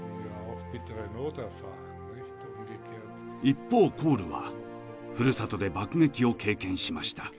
一方コールはふるさとで爆撃を経験しました。